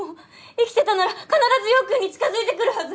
生きてたなら必ず陽君に近づいて来るはず！